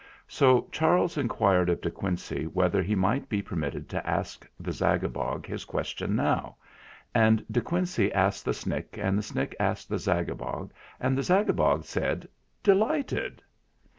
So Charles inquired of De Quincey whether he might be permitted to ask the Zagabog his question now, and De Quincey asked the Snick, and the Snick asked the Zag abog, and the Zagabog said : "Delighted."